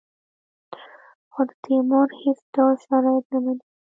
خو د تیمور هېڅ ډول شرایط نه مني.